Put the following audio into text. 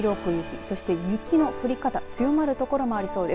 そして雪の降り方強まる所もありそうです。